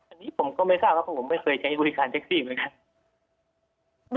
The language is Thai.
อันนี้ผมก็ไม่ทราบแล้วเพราะผมไม่เคยใช้บริการแท็กซี่เหมือนกัน